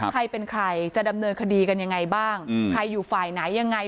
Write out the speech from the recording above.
ใครเป็นใครจะดำเนินคดีกันยังไงบ้างใครอยู่ฝ่ายไหนยังไง